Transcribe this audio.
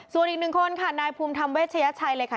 ส่วนอีกหนึ่งคนค่ะนายภูมิธรรมเวชยชัยเลยค่ะ